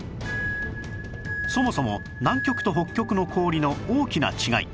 そもそも南極と北極の氷の大きな違い